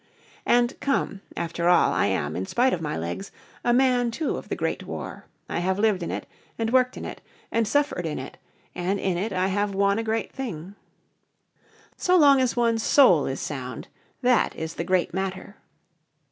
And come after all I am, in spite of my legs, a Man too of the Great War. I have lived in it, and worked in it, and suffered in it and in it have I won a Great Thing. So long as one's soul is sound that is the Great Matter.